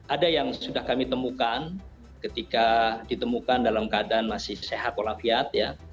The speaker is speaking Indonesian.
ada yang sudah kami temukan ketika ditemukan dalam keadaan masih sehat walafiat ya